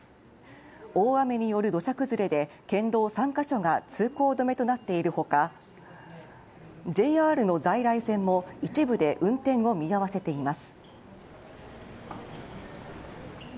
大雨による土砂崩れで県道３か所が通行止めとなっている他、ＪＲの在来線も一部で運転を見合わせています。